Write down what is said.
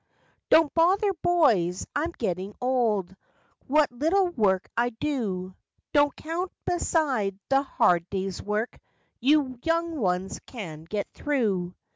Don't bother, boys. I'm gettin* old; what little work I do Don't count beside the hard days* work you young ones can get through.